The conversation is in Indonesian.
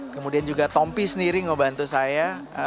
kemudian juga tompi sendiri ngebantu saya